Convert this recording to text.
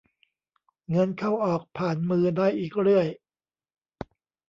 เงินเข้าออกผ่านมือได้อีกเรื่อย